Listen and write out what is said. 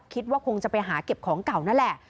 คิดว่าคงจะไปหาเก็บของเก่านั่นแหละ